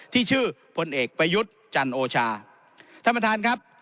ที่ชื่อพลเอกประยุทธ์จันโอชาท่านประธานครับ